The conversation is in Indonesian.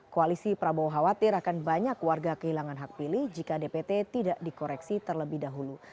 koalisi prabowo khawatir akan banyak warga kehilangan hak pilih jika dpt tidak dikoreksi terlebih dahulu